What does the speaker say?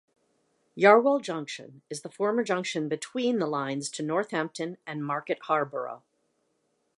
"Yarwell Junction" is the former junction between the lines to Northampton and Market Harborough.